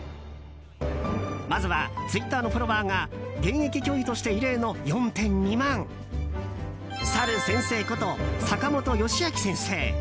まずはツイッターのフォロワーが現役教諭として異例の４．２万さる先生こと坂本良晶先生。